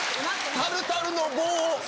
タルタルの棒！